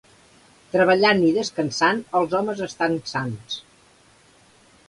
Treballant i descansant els homes estan sans.